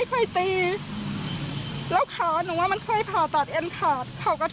จิตใจหนูแย่เยอะมาก